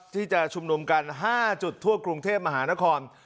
ที่จะชุมนุมกัน๕จุดทั่วกรุงเทพมหานคร